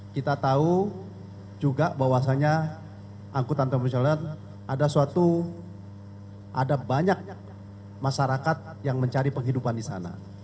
kita tahu juga bahwasannya angkutan konvensional ada banyak masyarakat yang mencari penghidupan di sana